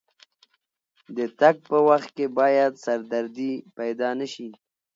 د تګ په وخت کې باید سردردي پیدا نه شي.